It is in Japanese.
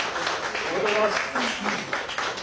・おめでとうございます！